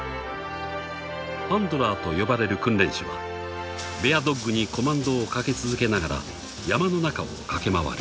［ハンドラーと呼ばれる訓練士はベアドッグにコマンドをかけ続けながら山の中を駆け回る］